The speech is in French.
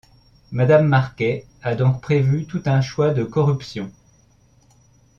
Madame Marquet a donc prévu tout un choix de corruptions.